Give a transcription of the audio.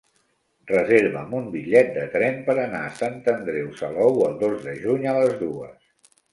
Reserva'm un bitllet de tren per anar a Sant Andreu Salou el dos de juny a les dues.